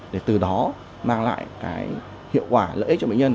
để từ đó mang lại cái hiệu quả lợi ích cho bệnh nhân